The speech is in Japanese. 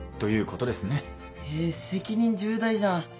え責任重大じゃん。